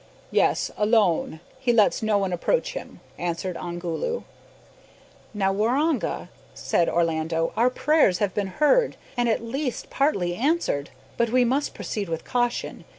"Yes, alone. He lets no one approach him," answered Ongoloo. "Now, Waroonga," said Orlando, "our prayers have been heard, and at least partly answered. But we must proceed with caution.